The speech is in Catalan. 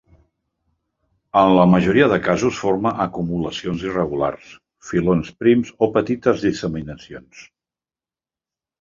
En la majoria de casos forma acumulacions irregulars, filons prims o petites disseminacions.